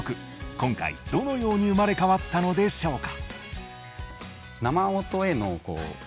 今回どのように生まれ変わったのでしょうか？